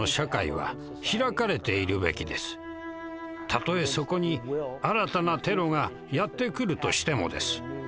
たとえそこに新たなテロがやってくるとしてもです。